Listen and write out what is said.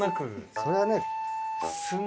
それはね。